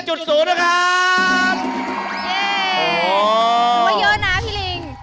เย่สูงเยอะนะพี่ลิง